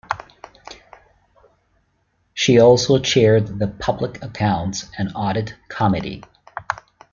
She also chaired the Public Accounts and Audit Committee.